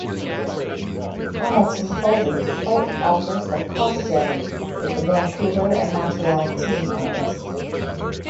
Hamilton folded despite offers of cost sharing with the Vancouver and Montreal team owners.